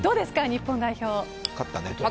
日本代表。